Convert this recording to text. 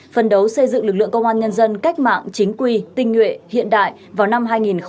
phân đấu xây dựng lực lượng công an nhân dân cách mạng chính quy tinh nguyện hiện đại vào năm hai nghìn ba mươi